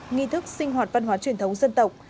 nghi thức sinh hoạt văn hóa truyền thống dân tộc